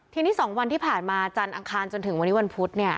ทีนี้๒วันที่ผ่านมาจันทร์อังคารจนถึงวันนี้วันพุธเนี่ย